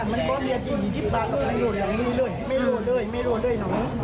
ไม่รู้เลยไม่รู้เลยมันไม่ดื้อมันไม่เข็มกับรอบเลย